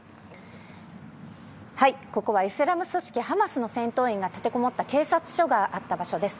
ここはイスラム組織ハマスの戦闘員が立てこもった警察署があった場所です。